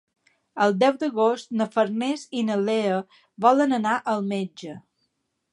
El deu d'agost na Farners i na Lea volen anar al metge.